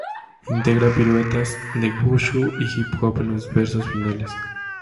Integra piruetas de Wushu y hip hop en los versos finales.